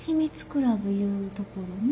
クラブゆうところに。